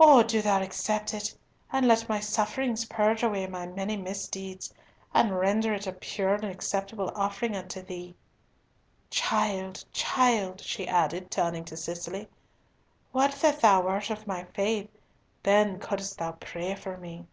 "O do Thou accept it, and let my sufferings purge away my many misdeeds, and render it a pure and acceptable offering unto Thee. Child, child," she added, turning to Cicely, "would that thou wert of my faith, then couldst thou pray for me."